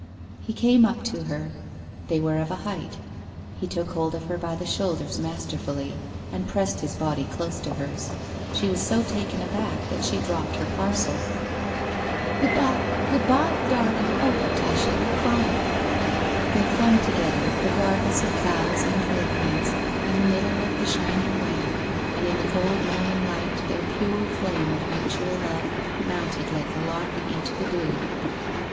He came up to her. They were of a height. He took hold of her by the shoulders masterfully, and pressed his body close to hers. She was so taken aback that she dropped her parcel. WHITE ROSE OF WEARY LEAF 43 'Good bye! Good bye! Darling! Oh, dash it, Fra crving.' They clung together, regardless of cows and milkmaids, in the middle of the shining way, and in the cold morn ing light their pure flame of mutual love mounted like a lark into the blue.